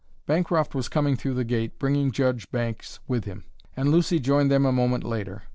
Bancroft was coming through the gate, bringing Judge Banks with him; and Lucy joined them a moment later.